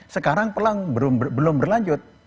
sekarang pelang belum berlanjut